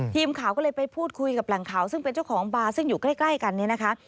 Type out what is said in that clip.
ทีมข่าวก็เลยไปพูดคุยกับแหล่งข่าวซึ่งเป็นเจ้าของบาร์ซึ่งอยู่ใกล้กันเนี่ยนะคะ